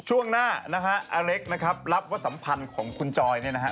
ช่วงหน้านะฮะอเล็กนะครับรับว่าสัมพันธ์ของคุณจอยเนี่ยนะฮะ